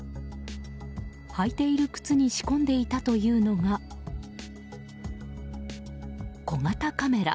履いている靴に仕込んでいたというのが小型カメラ。